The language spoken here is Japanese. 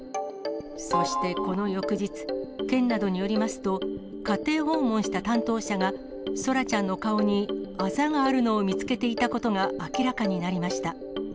そしてこの翌日、県などによりますと、家庭訪問した担当者が、空来ちゃんの顔に、あざがあるのを見つけていたことが明らかになりました。